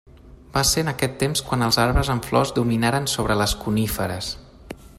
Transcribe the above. Va ser en aquest temps quan els arbres amb flors dominaren sobre les coníferes.